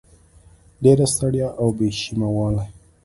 ډېره ستړیا او بې شیمه والی